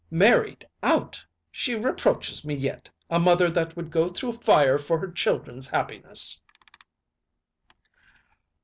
"Married out! She reproaches me yet a mother that would go through fire for her children's happiness!"